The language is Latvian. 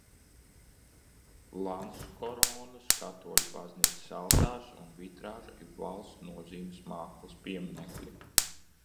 Landskoronas katoļu baznīcas altāris un vitrāža ir valsts nozīmes mākslas pieminekļi.